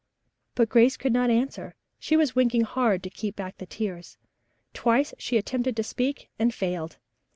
But Grace could not answer. She was winking hard to keep back the tears. Twice she attempted to speak and failed.